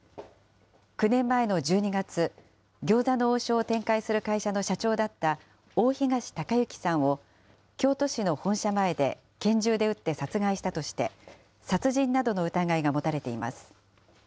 ９年前の１２月、餃子の王将を展開する会社の社長だった大東隆行さんを、京都市の本社前で拳銃で撃って殺害したとして、殺人などの疑いが持たれています。